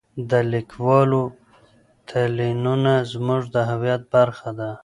د لیکوالو تلینونه زموږ د هویت برخه ده.